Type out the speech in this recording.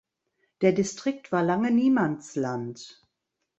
Der Distrikt war lange Niemandsland.